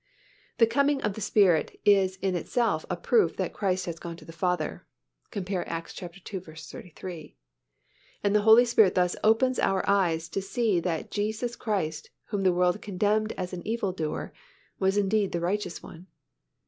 The coming of the Spirit is in itself a proof that Christ has gone to the Father (cf. Acts ii. 33) and the Holy Spirit thus opens our eyes to see that Jesus Christ, whom the world condemned as an evil doer, was indeed the righteous One.